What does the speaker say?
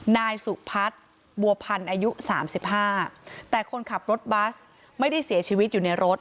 นายสุพัฒน์บัวพันธ์อายุสามสิบห้าแต่คนขับรถบัสไม่ได้เสียชีวิตอยู่ในรถ